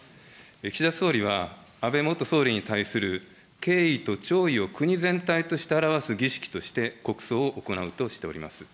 岸田総理は安倍元総理に対する敬意と弔意を国全体として表す儀式として、国葬を行うとしております。